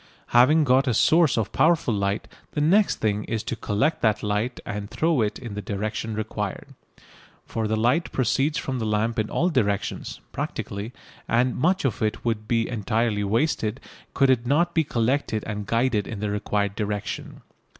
Having got a source of powerful light, the next thing is to collect that light and throw it in the direction required. For the light proceeds from the lamp in all directions (practically), and much of it would be entirely wasted could it not be collected and guided in the required direction.